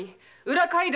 裏街道！